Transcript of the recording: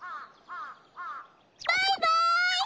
バイバイ！